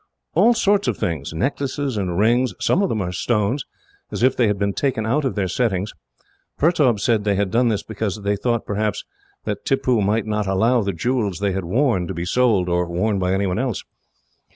"All sorts of things necklaces and rings. Some of them are stones, as if they had been taken out of their settings. Pertaub said they had done this because they thought, perhaps, that Tippoo would not allow the jewels they had worn to be sold, or worn by anyone else."